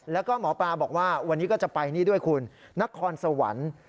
แล้วก็หมอปลาบอกว่าวันนี้ก็จะไปนี่ด้วยคุณนครสวรรค์